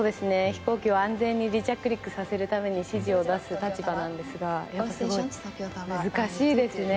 飛行機を安全に離着陸させるために指示を出す立場なんですがすごい難しいですね。